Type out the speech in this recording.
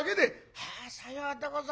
「はあさようでございますか。